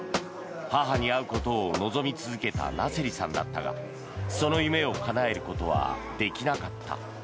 母に会うことを望み続けたナセリさんだったがその夢をかなえることはできなかった。